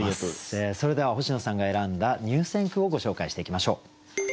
それでは星野さんが選んだ入選句をご紹介していきましょう。